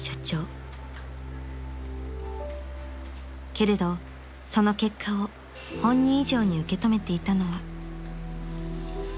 ［けれどその結果を本人以上に受け止めていたのは］